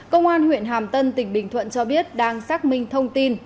công an huyện hàm tân tỉnh bình thuận cho biết đang xác minh thông tin